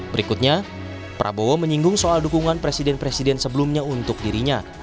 berikutnya prabowo menyinggung soal dukungan presiden presiden sebelumnya untuk dirinya